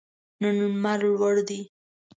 نن لمر لوړ دی